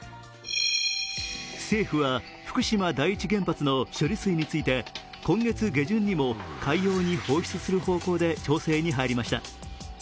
政府は福島第一原発の処理水について今月下旬にも海洋に放出する方向で調整に入りました。